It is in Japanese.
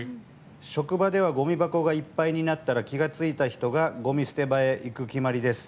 職場ではごみ箱がいっぱいになったら気がついた人がごみ捨て場へ行く決まりです。